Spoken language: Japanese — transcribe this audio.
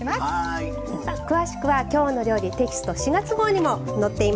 詳しくは「きょうの料理」テキスト４月号にも載っています。